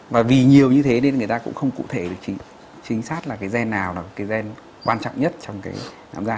và vì nhiều như thế nên người ta cũng không cụ thể chính xác là cái gen nào là cái gen quan trọng nhất trong cái nám da